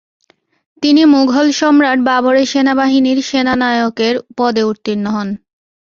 তিনি মুঘল সম্রাট বাবরের সেনাবাহিনীর সেনানায়কের পদে উত্তীর্ণ হন।